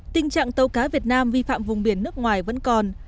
tình trạng tàu cá việt nam vi phạm vùng biển nước ngoài vẫn còn